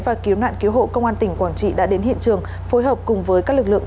và cứu nạn cứu hộ công an tỉnh quảng trị đã đến hiện trường phối hợp cùng với các lực lượng